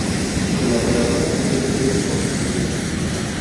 Colaboradora del periódico "El Machete".